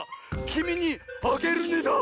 「きみにあげるね」だ！